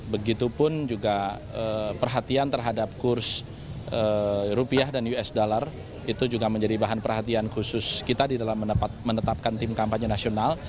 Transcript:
begitupun juga perhatian terhadap kurs rupiah dan usd itu juga menjadi bahan perhatian khusus kita di dalam menetapkan tim kampanye nasional